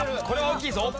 これは大きいぞ。